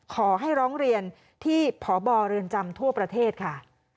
ขอให้ร้องเรียนที่พบเรือนจำทั่วประเทศค่ะ